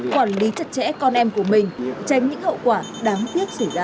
quản lý chặt chẽ con em của mình tránh những hậu quả đáng tiếc xảy ra